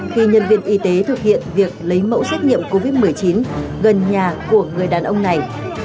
khi nhân viên y tế thực hiện việc lấy mẫu xét nghiệm covid một mươi chín gần nhà của người đàn ông này